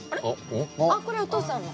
あっこれお父さんの。